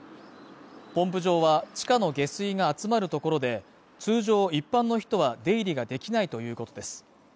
ポンプ場は、地下の下水が集まるところで、通常一般の人は出入りができないということです。